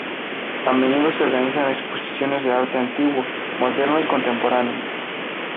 A menudo se organizan exposiciones de arte antiguo, moderno y contemporáneo.